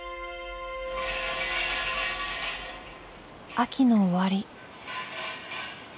秋の終わり。